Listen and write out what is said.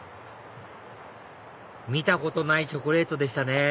見たことないチョコレートでしたね